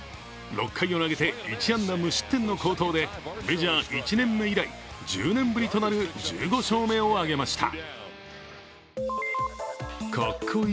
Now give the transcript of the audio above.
６回を投げて１安打無失点の好投でメジャー１年目以来１０年ぶりとなる１５勝目を挙げました。